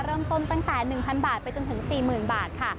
เริ่มต้นตั้งแต่๑๐๐๐บาตรไปจนถึง๔๐๐๐๐บาตรค่ะ